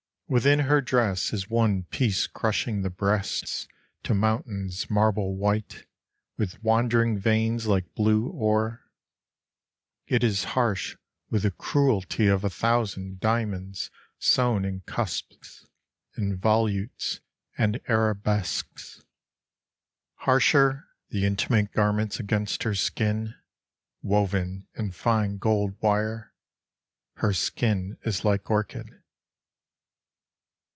Within her dress is one piece crushing the breasts to Mountains marble white with wand' ring v^eins like blue ore. It is harsh with the cruelty of a thousand Diamonds sewn in cusps and volutes and arabesques. Harsher the intimate garments against her skin Woven in fine gold wire. (Her skin is like orchid.)